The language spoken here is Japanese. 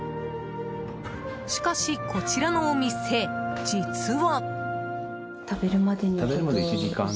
しかしこちらのお店、実は。